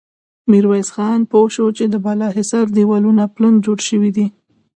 ميرويس خان پوه شو چې د بالا حصار دېوالونه پلن جوړ شوي دي.